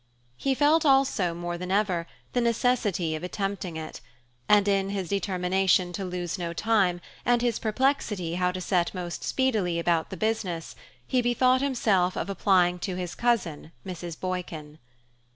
He felt also, more than ever, the necessity of attempting it; and in his determination to lose no time, and his perplexity how to set most speedily about the business, he bethought himself of applying to his cousin Mrs. Boykin.